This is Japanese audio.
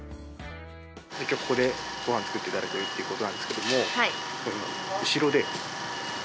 今日ここでご飯作っていただけるということなんですけども。